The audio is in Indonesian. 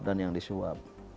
dan yang disuap